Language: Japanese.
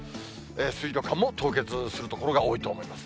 水道管も凍結する所が多いと思います。